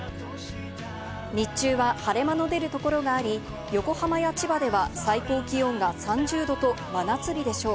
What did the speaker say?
日中は晴れ間の出るところがあり、横浜や千葉では最高気温が３０℃と真夏日でしょう。